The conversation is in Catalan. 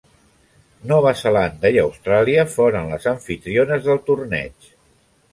Nova Zelanda i Austràlia foren les amfitriones del torneig.